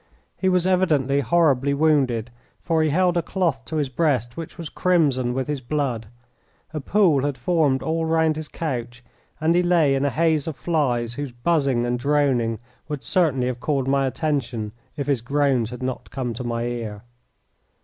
He was evidently horribly wounded, for he held a cloth to his breast which was crimson with his blood. A pool had formed all round his couch, and he lay in a haze of flies, whose buzzing and droning would certainly have called my attention if his groans had not come to my ear.